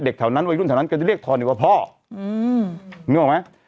แถวนั้นวัยรุ่นแถวนั้นก็จะเรียกทอนอีกว่าพ่ออืมนึกออกไหม